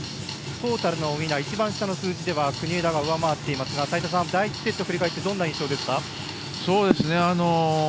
トータルのウィナー一番下の数字では国枝が上回っていますが第１セット振り返ってどんな印象ですか。